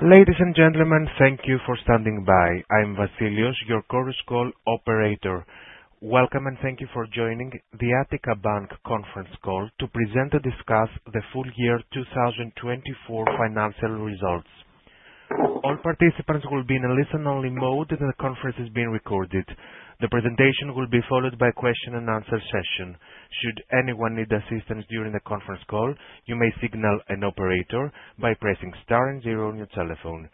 Ladies and gentlemen, thank you for standing by. I'm Vasilios, your chorus call operator. Welcome, and thank you for joining the Attica Bank conference call to present and discuss the Full Year 2024 Financial Results. All participants will be in a listen-only mode, and the conference is being recorded. The presentation will be followed by a question-and-answer session. Should anyone need assistance during the conference call, you may signal an operator by pressing star and zero on your telephone.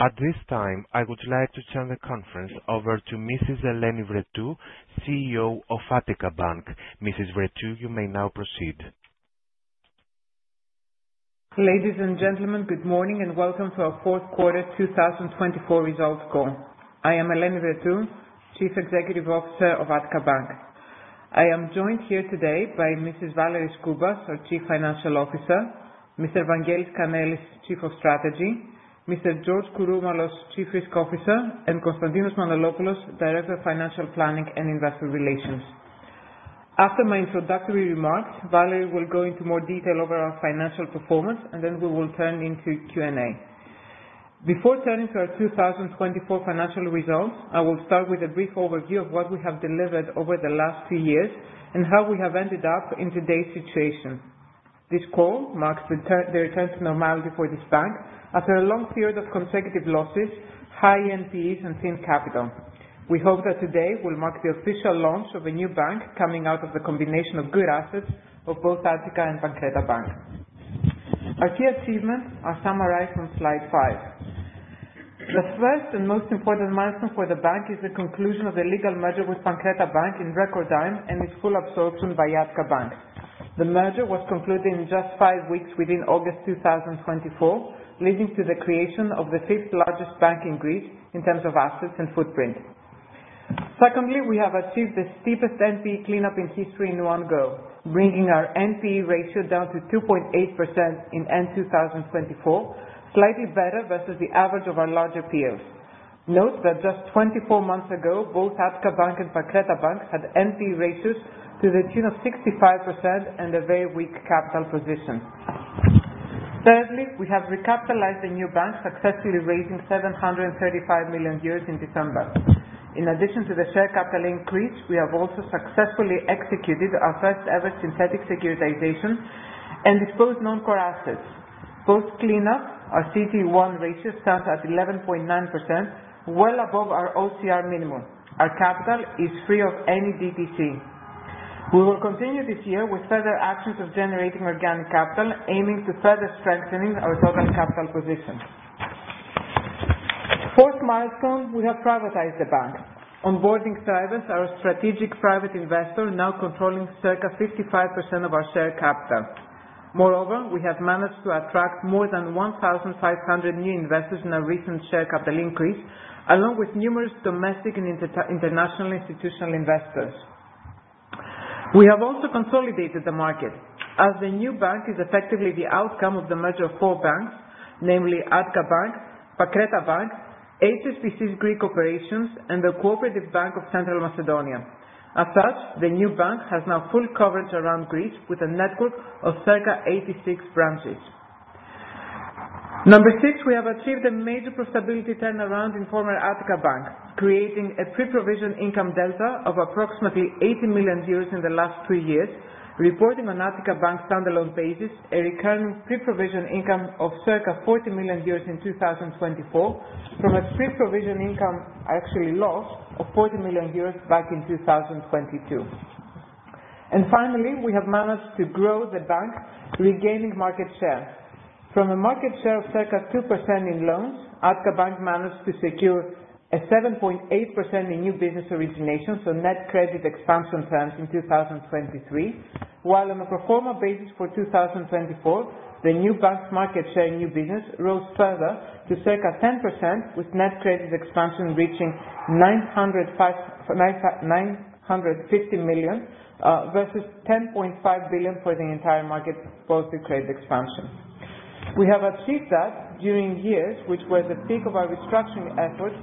At this time, I would like to turn the conference over to Mrs. Eleni Vrettou, CEO of Attica Bank. Mrs. Vrettou, you may now proceed. Ladies and gentlemen, good morning and welcome to our Fourth Quarter 2024 Results call. I am Eleni Vrettou, Chief Executive Officer of Attica Bank. I am joined here today by Mrs. Valerie Skoubas, our Chief Financial Officer, Mr. Evangelos Kanelis, Chief of Strategy, Mr. George Kouroumalos, Chief Risk Officer, and Konstantinos Manolopoulos, Director of Financial Planning and Investor Relations. After my introductory remarks, Valerie will go into more detail over our financial performance, and then we will turn to Q&A. Before turning to our 2024 financial results, I will start with a brief overview of what we have delivered over the last few years and how we have ended up in today's situation. This call marks the return to normality for this bank after a long period of consecutive losses, high NPEs, and thin capital. We hope that today will mark the official launch of a new bank coming out of the combination of good assets of both Attica and CrediaBank. Our key achievements are summarized on slide five. The first and most important milestone for the bank is the conclusion of the legal merger with CrediaBank in record time and its full absorption by Attica Bank. The merger was concluded in just five weeks within August 2024, leading to the creation of the fifth largest bank in Greece in terms of assets and footprint. Secondly, we have achieved the steepest NPE cleanup in history in one go, bringing our NPE ratio down to 2.8% in end 2024, slightly better versus the average of our larger peers. Note that just 24 months ago, both Attica Bank and CrediaBank had NPE ratios to the tune of 65% and a very weak capital position. Thirdly, we have recapitalized the new bank successfully, raising 735 million euros in December. In addition to the share capital increase, we have also successfully executed our first ever synthetic securitization and disposed non-core assets. Post cleanup, our CET1 ratio stands at 11.9%, well above our OCR minimum. Our capital is free of any DTC. We will continue this year with further actions of generating organic capital, aiming to further strengthening our total capital position. Fourth milestone, we have privatized the bank. Onboarding Thrivest, our strategic private investor, now controlling circa 55% of our share capital. We have managed to attract more than 1,500 new investors in a recent share capital increase, along with numerous domestic and international institutional investors. We have also consolidated the market as the new bank is effectively the outcome of the merger of four banks, namely Attica Bank, CrediaBank, HSBC's Greek operations, and the Cooperative Bank of Central Macedonia. As such, the new bank has now full coverage around Greece with a network of circa 86 branches. Number six, we have achieved a major profitability turnaround in former Attica Bank, creating a pre-provision income delta of approximately 80 million euros in the last three years, reporting on Attica Bank standalone basis a recurring pre-provision income of circa 40 million euros in 2024 from a pre-provision income, actually loss, of 40 million euros back in 2022. Finally, we have managed to grow the bank, regaining market share. From a market share of circa 2% in loans, Attica Bank managed to secure a 7.8% in new business origination, so net credit expansion terms in 2023, while on a pro forma basis for 2024, the new bank market share in new business rose further to circa 10%, with net credit expansion reaching 950 million, versus 10.5 billion for the entire market post credit expansion. We have achieved that during years, which were the peak of our restructuring efforts,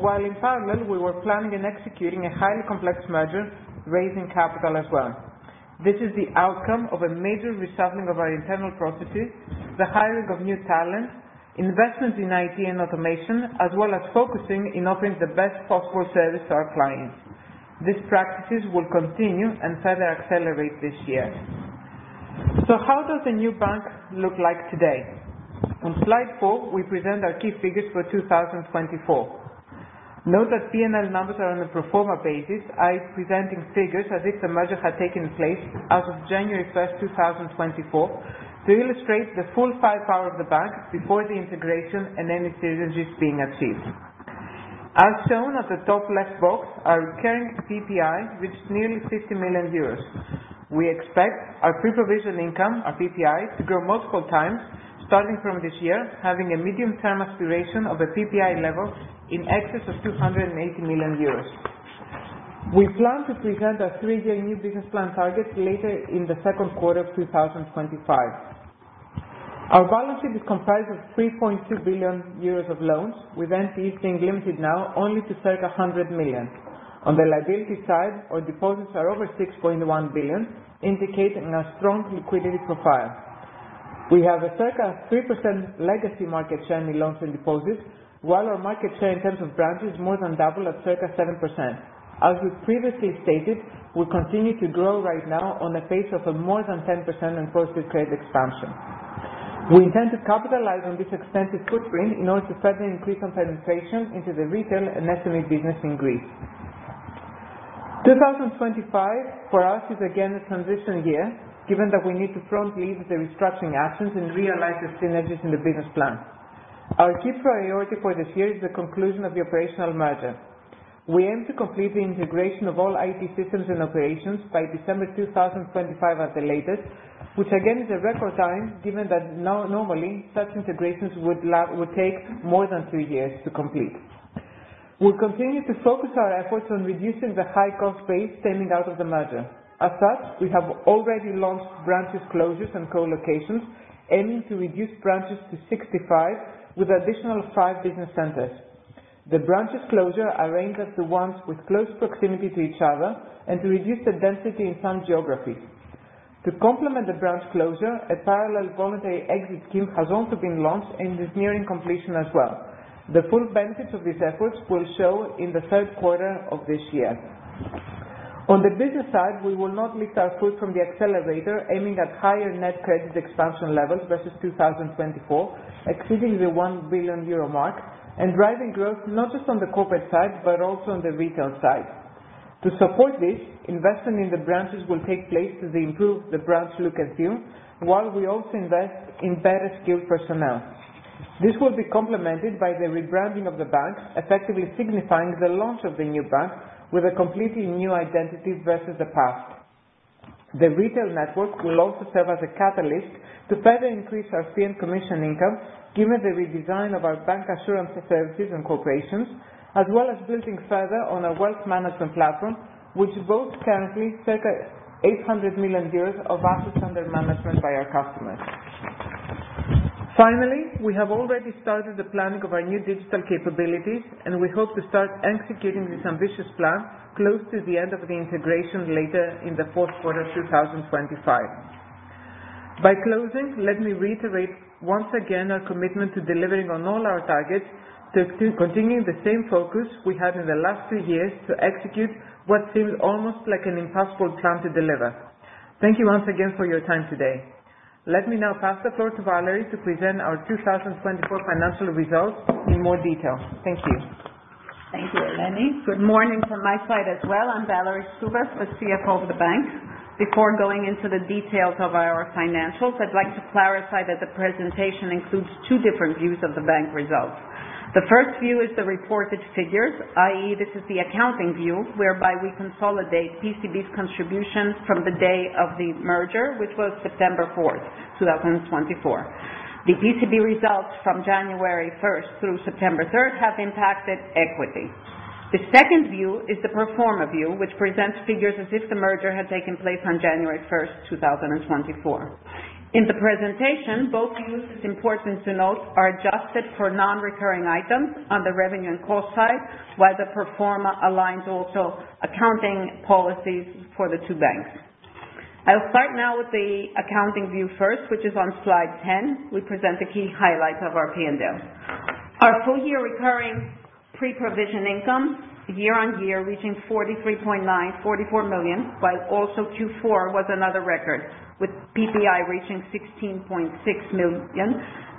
while in parallel, we were planning and executing a highly complex merger, raising capital as well. This is the outcome of a major reshuffling of our internal processes, the hiring of new talent, investments in IT and automation, as well as focusing in offering the best possible service to our clients. These practices will continue and further accelerate this year. How does the new bank look like today? On slide four, we present our key figures for 2024. Note that P&L numbers are on a pro forma basis, i.e., presenting figures as if the merger had taken place as of January 1st, 2024, to illustrate the full firepower of the bank before the integration and any synergies being achieved. As shown at the top left box, our recurring PPI reached nearly 50 million euros. We expect our pre-provision income, our PPI, to grow multiple times starting from this year, having a medium-term aspiration of a PPI level in excess of 280 million euros. We plan to present our three-year new business plan targets later in the second quarter of 2025. Our balance sheet is comprised of 3.2 billion euros of loans, with NPEs being limited now only to circa 100 million. On the liability side, our deposits are over 6.1 billion, indicating a strong liquidity profile. We have a circa 3% legacy market share in loans and deposits, while our market share in terms of branches more than double at circa 7%. As we previously stated, we continue to grow right now on a pace of a more than 10% in positive credit expansion. We intend to capitalize on this extensive footprint in order to further increase our penetration into the retail and SME business in Greece. 2025, for us, is again a transition year, given that we need to promptly with the restructuring actions and realize the synergies in the business plan. Our key priority for this year is the conclusion of the operational merger. We aim to complete the integration of all IT systems and operations by December 2025 at the latest, which again, is a record time, given that normally such integrations would take more than three years to complete. We continue to focus our efforts on reducing the high cost base stemming out of the merger. We have already launched branch closures and co-locations aiming to reduce branches to 65 with additional five business centers. The branch closures are aimed at the ones with close proximity to each other and to reduce the density in some geographies. To complement the branch closures, a parallel voluntary exit scheme has also been launched and is nearing completion as well. The full benefit of these efforts will show in the third quarter of this year. On the business side, we will not lift our foot from the accelerator, aiming at higher net credit expansion levels versus 2024, exceeding the 1 billion euro mark and driving growth not just on the corporate side, but also on the retail side. To support this, investment in the branches will take place to improve the branch look and feel, while we also invest in better skilled personnel. This will be complemented by the rebranding of the bank, effectively signifying the launch of the new bank with a completely new identity versus the past. The retail network will also serve as a catalyst to further increase our fee and commission income, given the redesign of our bank assurance services and corporations, as well as building further on our wealth management platform, which boasts currently circa 800 million of assets under management by our customers. Finally, we have already started the planning of our new digital capabilities, and we hope to start executing this ambitious plan close to the end of the integration later in the fourth quarter 2025. By closing, let me reiterate once again our commitment to delivering on all our targets to continuing the same focus we had in the last three years to execute what seems almost like an impossible plan to deliver. Thank you once again for your time today. Let me now pass the floor to Valerie to present our 2024 financial results in more detail. Thank you. Thank you, Eleni. Good morning from my side as well. I'm Valerie Skoubas, the CFO of the bank. Before going into the details of our financials, I'd like to clarify that the presentation includes two different views of the bank results. The first view is the reported figures, i.e. this is the accounting view, whereby we consolidate PCB's contributions from the day of the merger, which was September 4th, 2024. The PCB results from January 1st through September 3rd have impacted equity. The second view is the pro forma view, which presents figures as if the merger had taken place on January 1st, 2024. In the presentation, both views, it's important to note, are adjusted for non-recurring items on the revenue and cost side, while the pro forma aligns also accounting policies for the two banks. I'll start now with the accounting view first, which is on slide 10. We present the key highlights of our P&L. Our full year recurring pre-provision income year-on-year reaching 43.9 million, 44 million, while also Q4 was another record, with PPI reaching 16.6 million,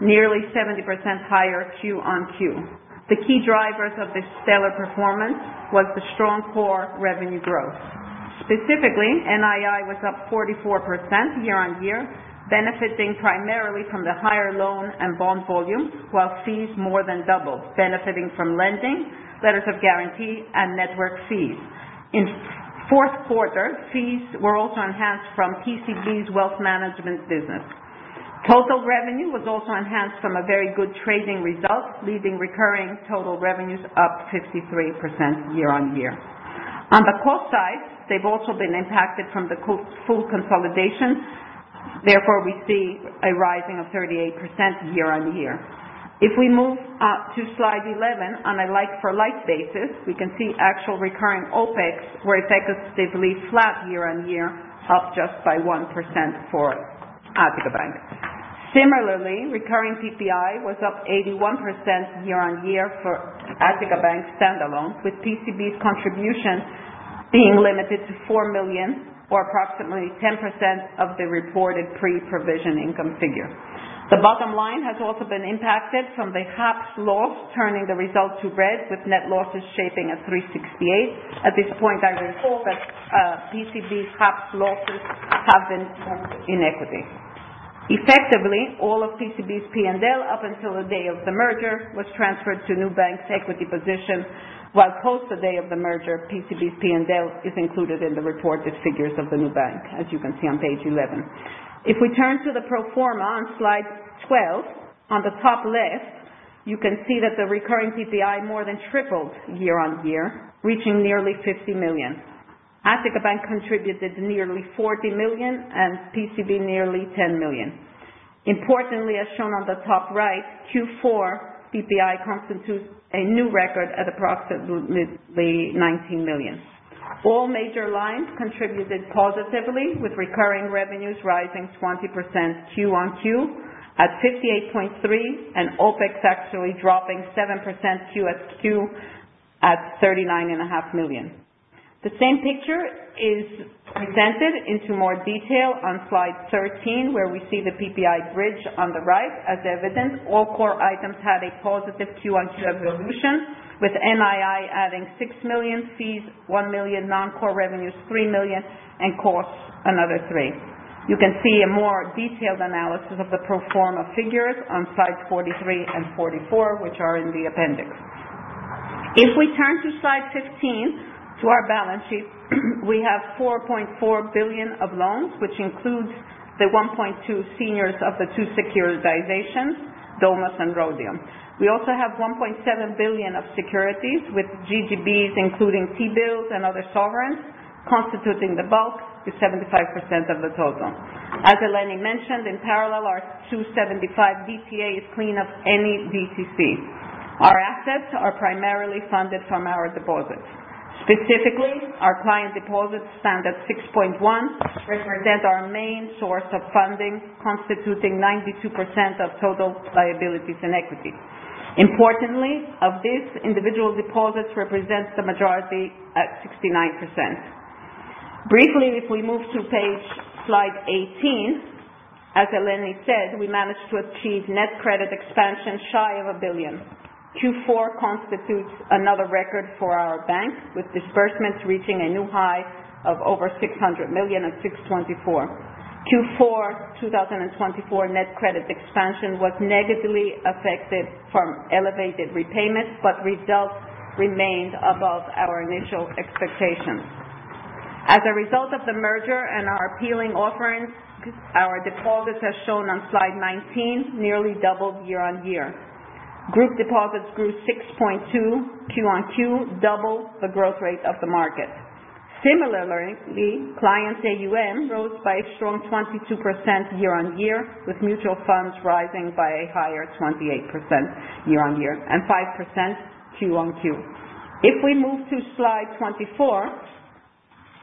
nearly 70% higher quarter-on-quarter. The key drivers of this stellar performance was the strong core revenue growth. Specifically, NII was up 44% year-on-year, benefiting primarily from the higher loan and bond volume, while fees more than doubled, benefiting from lending, letters of guarantee and network fees. In fourth quarter, fees were also enhanced from PCB's wealth management business. Total revenue was also enhanced from a very good trading result, leaving recurring total revenues up 53% year-on-year. On the cost side, they've also been impacted from the full consolidation. Therefore, we see a rising of 38% year-on-year. We move up to slide 11, on a like-for-like basis, we can see actual recurring OPEX were effectively flat year-on-year, up just by 1% for Attica Bank. Similarly, recurring PPI was up 81% year-on-year for Attica Bank standalone, with PCB's contribution being limited to 4 million or approximately 10% of the reported pre-provision income figure. The bottom line has also been impacted from the HAPS loss, turning the results to red with net losses shaping at 368 million. At this point, I recall that PCB's HAPS losses have been in equity. Effectively, all of PCB's P&L up until the day of the merger was transferred to new bank's equity position, while post the day of the merger, PCB's P&L is included in the reported figures of the new bank, as you can see on page 11. If we turn to the pro forma on slide 12, on the top left, you can see that the recurring PPI more than tripled year-on-year, reaching nearly 50 million. Attica Bank contributed nearly 40 million and PCB nearly 10 million. Importantly, as shown on the top right, Q4 PPI constitutes a new record at approximately 19 million. All major lines contributed positively with recurring revenues rising 20% quarter-on-quarter at 58.3 million and OPEX actually dropping 7% quarter-on-quarter at 39.5 million. The same picture is presented into more detail on slide 13, where we see the PPI bridge on the right as evidence. All core items have a positive quarter-on-quarter evolution, with NII adding 6 million fees, 1 million non-core revenues 3 million, and costs another 3 million. You can see a more detailed analysis of the pro forma figures on slides 43 and 44, which are in the appendix. If we turn to slide 15, to our balance sheet, we have 4.4 billion of loans, which includes the 1.2 seniors of the two securitizations, Domus and Rhodium. We also have 1.7 billion of securities with GGBs, including T-bills and other sovereigns, constituting the bulk with 75% of the total. As Eleni mentioned, in parallel, our 275 million DTA is clean of any DTC. Our assets are primarily funded from our deposits. Specifically, our client deposits stand at 6.1, represent our main source of funding, constituting 92% of total liabilities and equity. Importantly, of this, individual deposits represent the majority at 69%. Briefly, if we move to slide 18, as Eleni said, we managed to achieve net credit expansion shy of 1 billion. Q4 constitutes another record for our bank, with disbursements reaching a new high of over 600 million and 624 million. Q4 2024 net credit expansion was negatively affected from elevated repayments, but results remained above our initial expectations. As a result of the merger and our appealing offerings, our deposits, as shown on slide 19, nearly doubled year-on-year. Group deposits grew 6.2% quarter-on-quarter, double the growth rate of the market. Similarly, clients AUM rose by a strong 22% year-on-year, with mutual funds rising by a higher 28% year-on-year and 5% quarter-on-quarter. If we move to slide 24,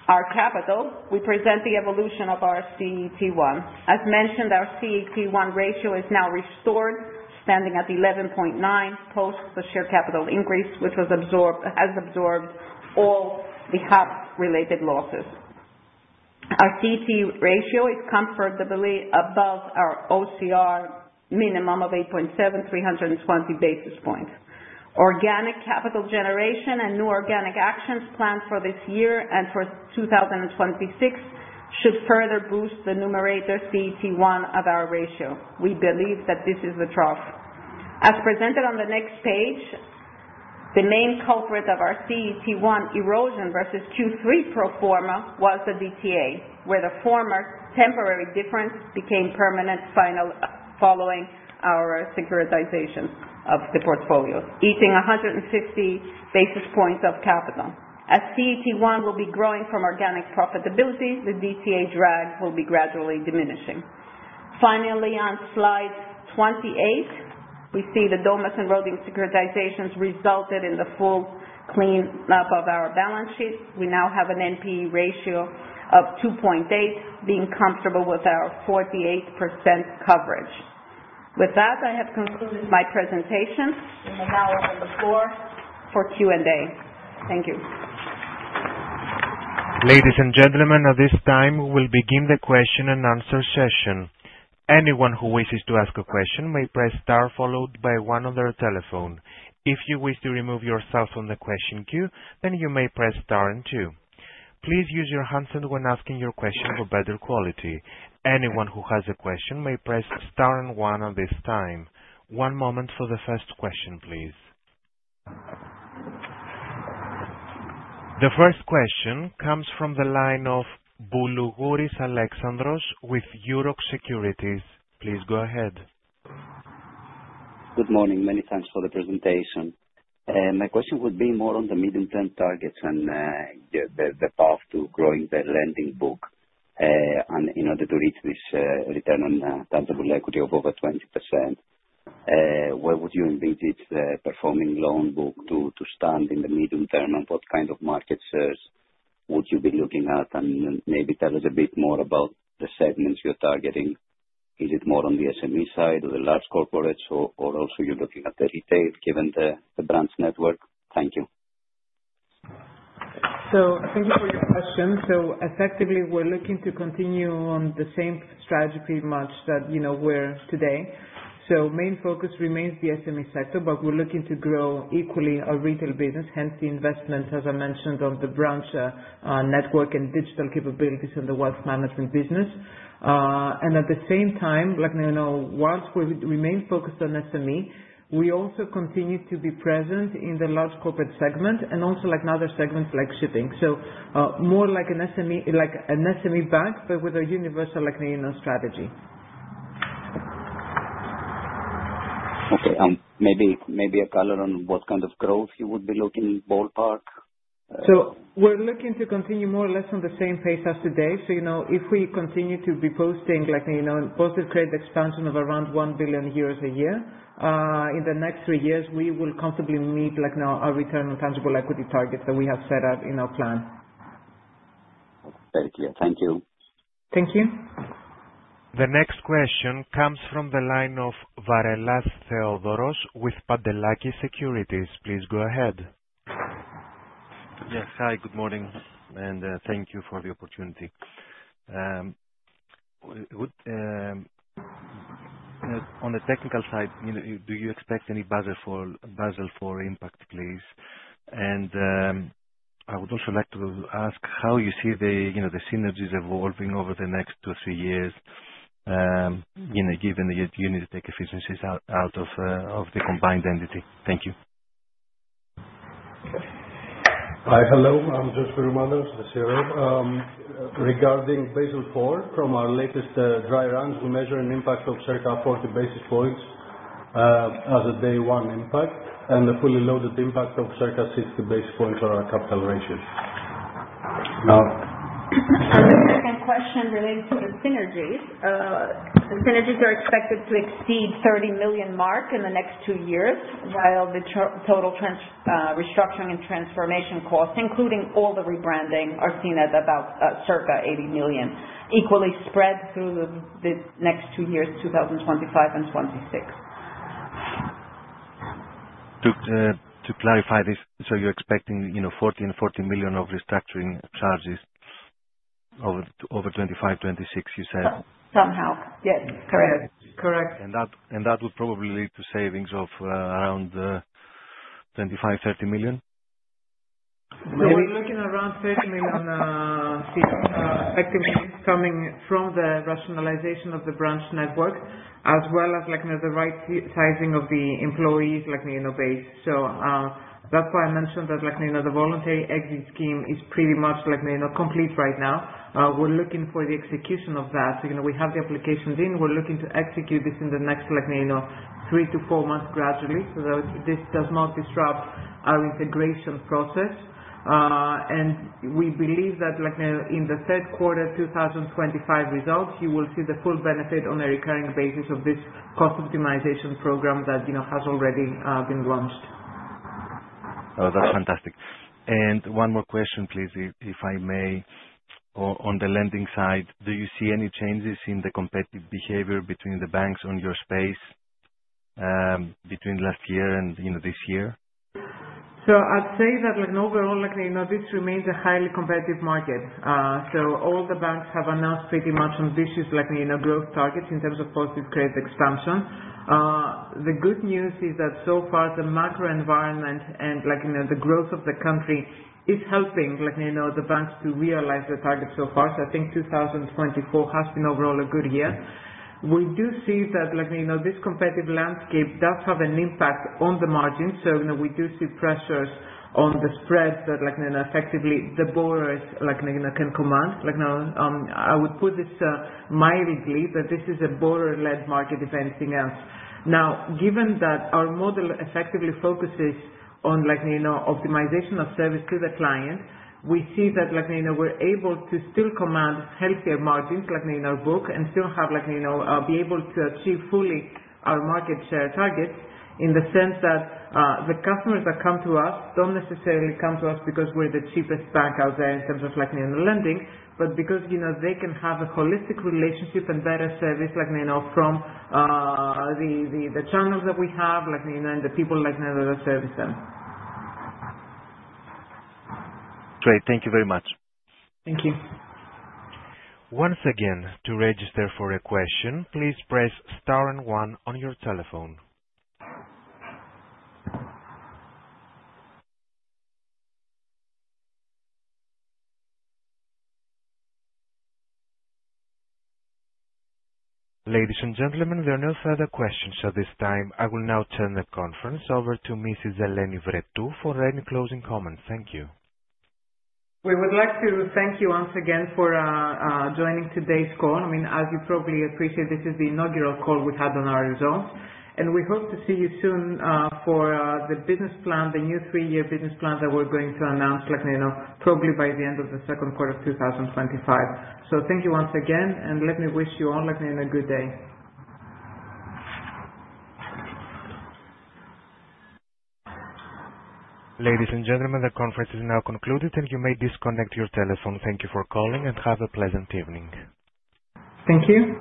our capital, we present the evolution of our CET1. As mentioned, our CET1 ratio is now restored, standing at 11.9% post the share capital increase, which has absorbed all the HAPS related losses. Our CET1 ratio is comfortably above our OCR minimum of 8.7% 320 basis points. Organic capital generation and new organic actions planned for this year and for 2026 should further boost the numerator CET1 of our ratio. We believe that this is the trough. As presented on the next page, the main culprit of our CET1 erosion versus Q3 pro forma was the DTA, where the former temporary difference became permanent following our securitization of the portfolio, eating 150 basis points of capital. As CET1 will be growing from organic profitability, the DTA drag will be gradually diminishing. On slide 28, we see the Domus and Rhodium securitizations resulted in the full cleanup of our balance sheet. We now have an NPE ratio of 2.8%, being comfortable with our 48% coverage. With that, I have concluded my presentation and now open the floor for Q&A. Thank you. Ladies and gentlemen, at this time, we will begin the question and answer session. Anyone who wishes to ask a question may press star followed by one on their telephone. If you wish to remove yourself from the question queue, then you may press star and two. Please use your handset when asking your question for better quality. Anyone who has a question may press star and one at this time. One moment for the first question, please. The first question comes from the line of Boulougouris, Alexandros with Euroxx Securities. Please go ahead. Good morning. Many thanks for the presentation. My question would be more on the medium-term targets and the path to growing the lending book in order to reach this return on tangible equity of over 20%. Where would you envisage the performing loan book to stand in the medium term? What kind of market shares would you be looking at? Maybe tell us a bit more about the segments you're targeting. Is it more on the SME side or the large corporates, or also you're looking at the retail given the branch network? Thank you. Thank you for your question. Effectively, we're looking to continue on the same strategy much that we're today. Main focus remains the SME sector, but we're looking to grow equally our retail business, hence the investment, as I mentioned, of the branch network and digital capabilities in the wealth management business. At the same time, whilst we remain focused on SME, we also continue to be present in the large corporate segment and also other segments like shipping. More like an SME bank, but with a universal strategy. Okay. Maybe a color on what kind of growth you would be looking ballpark? We're looking to continue more or less on the same pace as today. If we continue to be posting positive credit expansion of around 1 billion euros a year, in the next three years, we will comfortably meet our return on tangible equity targets that we have set out in our plan. Very clear. Thank you. Thank you. The next question comes from the line of Varelas, Theodore with Pantelakis Securities. Please go ahead. Yes. Hi, good morning, and thank you for the opportunity. On the technical side, do you expect any Basel IV impact, please? I would also like to ask how you see the synergies evolving over the next two, three years, given the unit take efficiencies out of the combined entity. Thank you. Hi. Hello, I'm George Kouroumalos, the CRO. Regarding Basel IV, from our latest dry runs, we measure an impact of circa 40 basis points as a day one impact, and the fully loaded impact of circa 60 basis points on our capital ratios. The second question relates to the synergies. Synergies are expected to exceed 30 million mark in the next two years, while the total restructuring and transformation costs, including all the rebranding, are seen at about circa 80 million, equally spread through the next two years, 2025 and 2026. To clarify this, you're expecting 40 million and 40 million of restructuring charges over 2025, 2026, you said? Somehow. Yes, correct. That would probably lead to savings of around 25 million-30 million? We're looking around 30 million, effectively coming from the rationalization of the branch network as well as the right sizing of the employee base. That's why I mentioned that the voluntary exit scheme is pretty much complete right now. We're looking for the execution of that. We have the applications in. We're looking to execute this in the next three to four months gradually so that this does not disrupt our integration process. We believe that in the third quarter 2025 results, you will see the full benefit on a recurring basis of this cost optimization program that has already been launched. Oh, that's fantastic. One more question, please, if I may. On the lending side, do you see any changes in the competitive behavior between the banks on your space between last year and this year? I'd say that overall, this remains a highly competitive market. All the banks have announced pretty much on this year's growth targets in terms of positive credit expansion. The good news is that so far, the macro environment and the growth of the country is helping the banks to realize their targets so far. I think 2024 has been overall a good year. We do see that this competitive landscape does have an impact on the margin. We do see pressures on the spreads that effectively the borrowers can command. I would put this mildly that this is a borrower-led market, if anything else. Given that our model effectively focuses on optimization of service to the client, we see that we're able to still command healthier margins in our book and still be able to achieve fully our market share targets in the sense that the customers that come to us don't necessarily come to us because we're the cheapest bank out there in terms of lending, but because they can have a holistic relationship and better service from the channels that we have and the people that service them. Great. Thank you very much. Thank you. Once again, to register for a question, please press star and one on your telephone. Ladies and gentlemen, there are no further questions at this time. I will now turn the conference over to Mrs. Eleni Vrettou for any closing comments. Thank you. We would like to thank you once again for joining today's call. As you probably appreciate, this is the inaugural call we had on our results, and we hope to see you soon for the new three-year business plan that we're going to announce probably by the end of the second quarter of 2025. Thank you once again and let me wish you all a good day. Ladies and gentlemen, the conference is now concluded, and you may disconnect your telephone. Thank you for calling and have a pleasant evening.